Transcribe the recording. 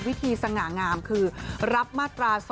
สง่างามคือรับมาตรา๒